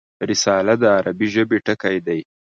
رساله د عربي ژبي ټکی دﺉ.